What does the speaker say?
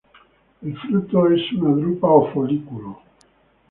El fruto es una drupa o folículo.